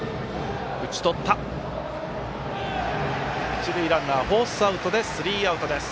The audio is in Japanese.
一塁ランナーフォースアウトでスリーアウト。